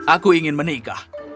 aku ingin menikah